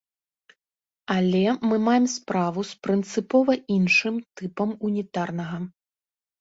Але мы маем справу з прынцыпова іншым тыпам унітарнага.